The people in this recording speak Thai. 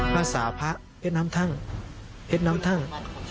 ภาษาพระเพชรน้ำทั่งเพชรน้ำทั่ง